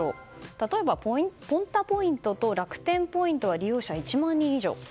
例えばＰｏｎｔａポイントと楽天ポイントは利用者１万人以上。